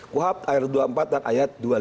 kuhab ayat dua puluh empat dan ayat dua puluh lima